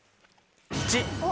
１。